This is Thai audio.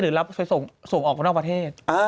หรือรับไปส่งส่งออกข้างนอกประเทศ